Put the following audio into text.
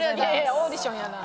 オーディションやな。